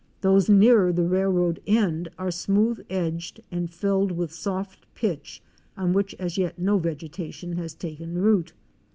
Those nearer the rail road end are smooth edged and filled with soft pitch on which as yet no vegetation has taken root.